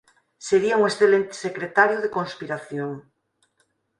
Sería un excelente secretario de conspiración.